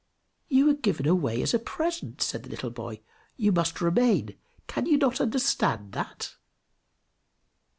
"You are given away as a present!" said the little boy. "You must remain. Can you not understand that?"